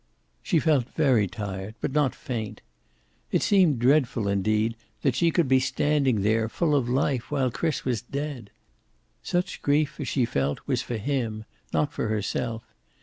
She felt very tired, but not faint. It seemed dreadful, indeed, that she could be standing there, full of life, while Chris was dead. Such grief as she felt was for him, not for herself.